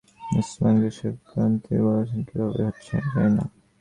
ওসমান সাহেব ক্লান্ত গলায় বললেন, কী ভাবে কী হচ্ছে আমি জানি না।